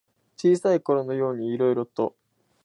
小さいころのようにいろいろと。